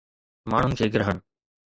ماڻهن کي گرهڻ